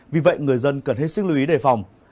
vì vậy người dân cần hết sức lưu ý đề phòng